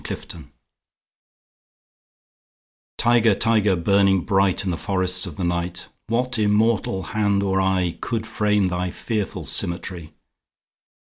The Tiger TIGER, tiger, burning bright In the forests of the night, What immortal hand or eye Could frame thy fearful symmetry?